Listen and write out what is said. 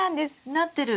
なってる。